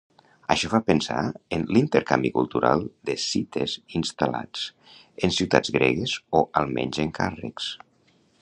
Això fa pensar en l'intercanvi cultural d'escites instal·lats en ciutats gregues, o almenys encàrrecs.